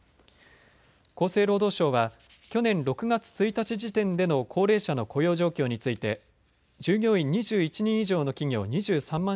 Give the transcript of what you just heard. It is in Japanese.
厚生労働省は去年６月１日時点での高齢者の雇用状況について従業員２１人以上の企業２３万